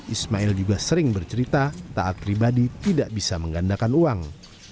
ismail juga sering bercerita taat pribadi tidak bisa menggandakan uang